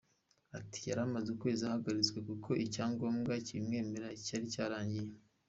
Ati “Yari amaze ukwezi ahagaritswe kuko icyangombwa kibimwemerera cyari cyararangiye.